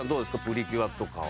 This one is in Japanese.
『プリキュア』とかは。